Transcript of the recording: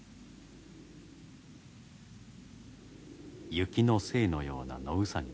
雪の精のような野ウサギです。